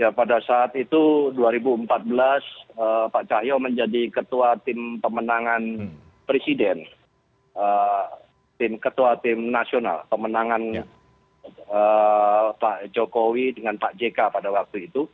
ya pada saat itu dua ribu empat belas pak cahyo menjadi ketua tim pemenangan presiden ketua tim nasional pemenangan pak jokowi dengan pak jk pada waktu itu